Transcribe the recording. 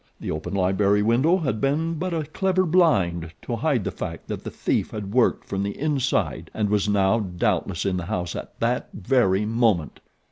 The open library window had been but a clever blind to hide the fact that the thief had worked from the inside and was now doubtless in the house at that very moment.